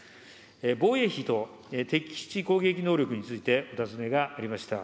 防衛費と敵基地攻撃能力についてお尋ねがありました。